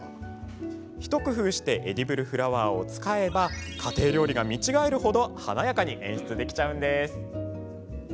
一工夫してエディブルフラワーを使えば家庭料理が見違える程華やかに演出できちゃうんです。